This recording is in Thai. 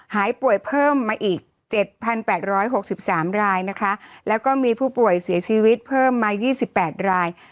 หายป่วยเพิ่มมาอีกเจ็ดพันแปดร้อยหกสิบสามรายนะคะแล้วก็มีผู้ป่วยเสียชีวิตเพิ่มมายี่สิบแปดราย